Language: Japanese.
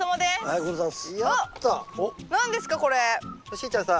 しーちゃんさ